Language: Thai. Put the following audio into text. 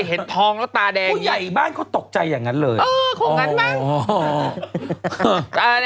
เออคงงั้นบ้าง